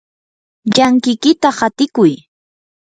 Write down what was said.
llankikiyta hatikuy.